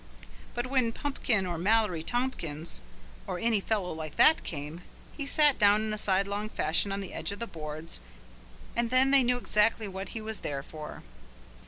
But when Pupkin or Mallory Tompkins or any fellow like that came, he sat down in a sidelong fashion on the edge of the boards and then they knew exactly what he was there for.